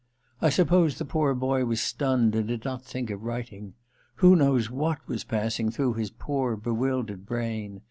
I suppose the poor boy was stunned, and did not think of writing. Who knows what was passing through his poor bewildered brain ?